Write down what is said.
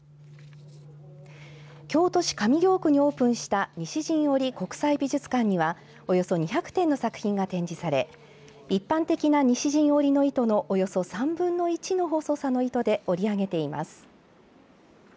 京都市上京区にオープンした西陣織国際美術館にはおよそ２００点の作品が展示され一般的な西陣織の糸のおよそ３分の１の細さの糸で織り上げています。